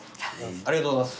ありがとうございます。